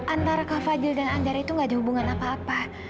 antara kak fadil dan andara itu gak ada hubungan apa apa